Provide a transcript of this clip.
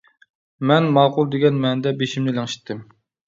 مەن «ماقۇل» دېگەن مەنىدە بېشىمنى لىڭشىتتىم.